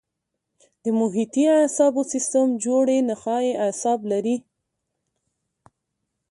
د محیطي اعصابو سیستم جوړې نخاعي اعصاب لري.